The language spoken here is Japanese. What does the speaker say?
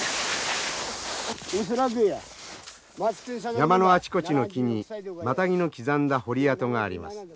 山のあちこちの木にマタギの刻んだ彫り跡があります。